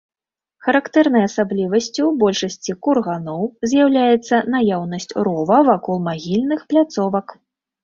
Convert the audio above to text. Характэрнай асаблівасцю большасці курганоў з'яўляецца наяўнасць рова вакол магільных пляцовак.